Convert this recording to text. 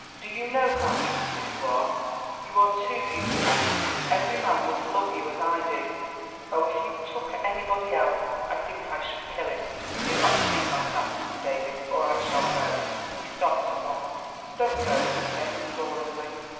Do you know how beautiful you are? You are too beautiful—every man must love you as I do. Oh, if you took anybody else I think that I should kill him." "Do not speak like that, Mr. Davies, or I shall go." He stopped at once. "Don't go," he said imploringly.